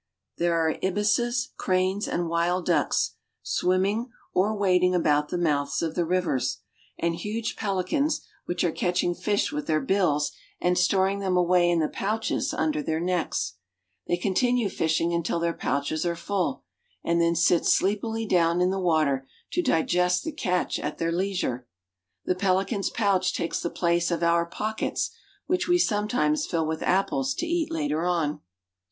There are ibises, cranes, and wild ducks, swimming or wading THE HOME OF THE GORILLA I boc about the mouths o£ the rivers, and huge pelicans which catching fish with their bills and storing them away in the pouches under their necks. They continue fishing until their pouches are full, and then sit sleepily down in the water to digest the catch at their leisure. The pelican's pouch takes thf place of our pucl. ets, which we some times fill with applc: to eat later on.